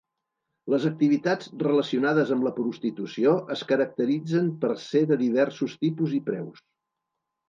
Les activitats relacionades amb la prostitució es caracteritzen per ser de diversos tipus i preus.